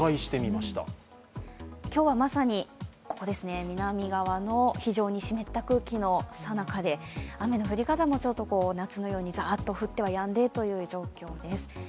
今日はまさにここ、南側の非常に湿った空気のさなかで雨の降り方も夏のようにザーッと降ってはやんでという状況です。